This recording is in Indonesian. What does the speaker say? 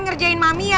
ngerjain mami ya